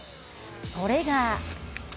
それが。